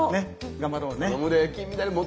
頑張ろうね。